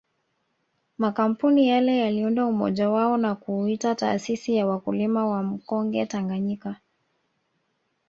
Makampuni yale yaliunda umoja wao na kuuita taasisi ya wakulima wa mkonge Tanganyika